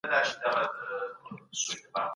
چارمغز د مغز لپاره ښه دی.